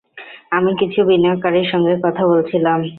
আমি কিছু বিনিয়োগকারীর সঙ্গে কথা বলছিলাম।